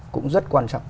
cũng rất quan trọng